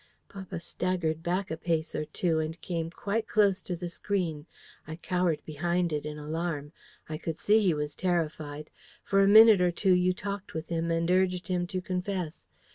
"Papa staggered back a pace or two, and came quite close to the screen. I cowered behind it in alarm. I could see he was terrified. For a minute or two you talked with him, and urged him to confess.